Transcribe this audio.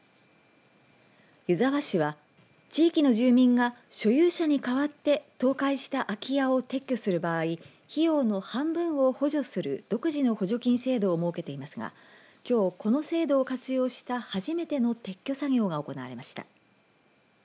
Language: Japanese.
湯沢市は地域の住民が所有者に代わって倒壊した空き家を撤去する場合費用の半分を補助する独自の補助金制度を設けていますがきょうこの制度を活用した初めての撤去作業が行われました。